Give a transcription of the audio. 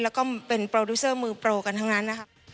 แล้วก็เป็นโปรดิวเซอร์มือโปรกันทั้งนั้นนะครับ